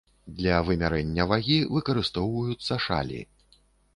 Для вымярэння вагі выкарыстоўваюцца шалі.